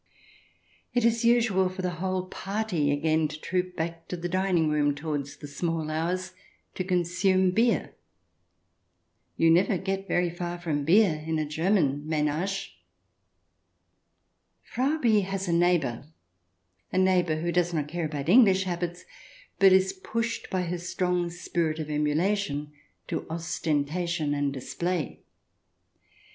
It is usual for the whole party again to troop back to the dining room towards the small hours, to consume beer — you never get very far from beer in a German menage. Frau B has a neighbour — a neighbour who does not care about English habits, but is pushed by her strong spirit of emulation to ostentation and display.